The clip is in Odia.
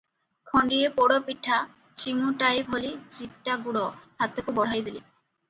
ଖଣ୍ଡିଏ ପୋଡ଼ପିଠା, ଚିମୁଟାଏ ଭଳି ଚିଟା ଗୁଡ଼ ହାତକୁ ବଢ଼ାଇ ଦେଲେ ।